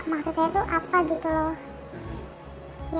maksudnya itu apa gitu loh